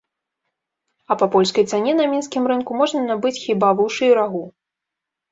А па польскай цане на мінскім рынку можна набыць хіба вушы і рагу.